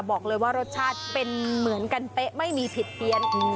บอกเลยว่ารสชาติเป็นเหมือนกันเป๊ะไม่มีผิดเพี้ยน